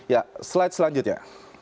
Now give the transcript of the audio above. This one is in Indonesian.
ya slide selanjutnya